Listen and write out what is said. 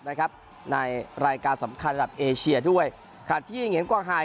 ในรายการสำคัญระหลักเอเชียด้วยที่เหงียนกว้างหาย